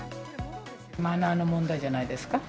マナーの問題じゃないですか。